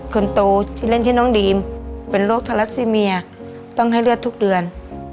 คนโตชื่อเล่นชื่อน้องดีมเป็นโรคทารัสซีเมียต้องให้เลือดทุกเดือน